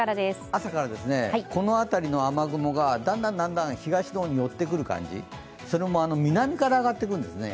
朝からこの辺りの雨雲がだんだん東の方に寄ってくる感じ、それも南から上がってくるんですね。